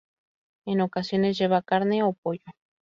En ocasiones lleva carne o pollo.